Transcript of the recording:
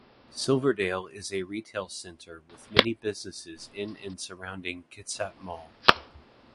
Silverdale is a retail center with many businesses in and surrounding Kitsap Mall.